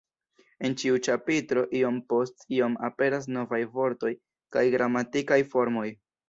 En ĉiu ĉapitro iom post iom aperas novaj vortoj kaj gramatikaj formoj.